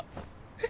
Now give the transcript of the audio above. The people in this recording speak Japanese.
え？